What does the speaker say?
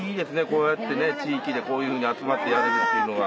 こうやって地域でこういうふうに集まってやれるっていうのは。